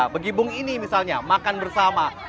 begibung ini misalnya makan bersama